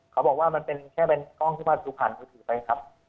เขาบอกว่ามันเป็นแค่เป็นกล้องที่มาดูผ่านมือถือไปครับ